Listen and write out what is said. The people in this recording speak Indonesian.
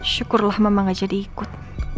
syukurlah mama nggak jadi ikut